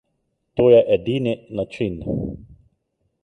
To je edini način.